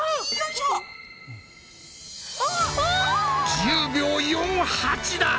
１０秒４８だ！